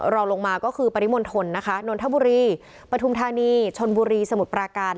รองลงมาก็คือปริมณฑลนะคะนนทบุรีปฐุมธานีชนบุรีสมุทรปราการ